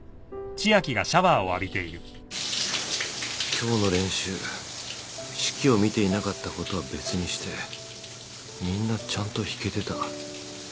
今日の練習指揮を見ていなかったことは別にしてみんなちゃんと弾けてた。